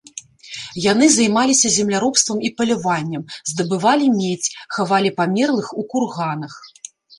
Яны займаліся земляробствам і паляваннем, здабывалі медзь, хавалі памерлых у курганах.